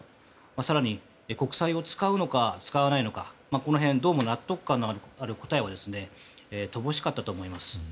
更に国債を使うのか使わないのかこの辺、どうも納得感のある答えは乏しかったと思います。